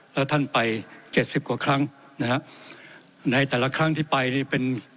แล้วท่านไปเจ็ดสิบกว่าครั้งนะฮะในแต่ละครั้งที่ไปนี่เป็น